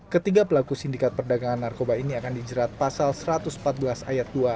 ketiga pelaku sindikat perdagangan narkoba ini akan dijerat pasal satu ratus empat belas ayat dua